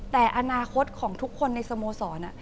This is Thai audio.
แต่อนาคตของทุกคนในสโมสร